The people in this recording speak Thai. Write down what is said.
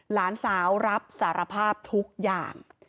หลานสาวรับสารภาพทุกอย่าง